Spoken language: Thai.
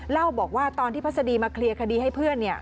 เล่าบอกว่าตอนที่พัศดีมาเคลียร์คดีให้เพื่อนเนี่ย